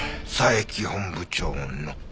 佐伯本部長の？